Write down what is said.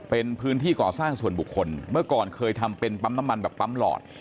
เป็นพื้นที่ก่อสร้างส่วนบุคคลเมื่อก่อนเคยทำเป็นปั๊มน้ำมันแบบปั๊มหลอด